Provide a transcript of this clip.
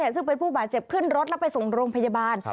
ซึ่งเป็นผู้บาดเจ็บขึ้นรถแล้วไปส่งโรงพยาบาล